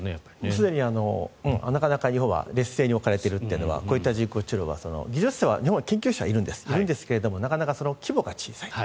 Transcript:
すでに日本は劣勢に置かれているというのはこういった人工知能は日本は技術、研究者はいるんですいるんですがなかなか規模が小さいと。